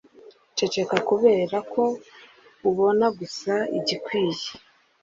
Ceceka kubera ko ubona gusa igikwiye